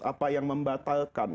apa yang membatalkan